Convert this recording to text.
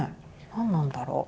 何なんだろう。